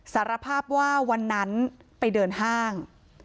สารภาพว่าวันนั้นไปเดินห้าง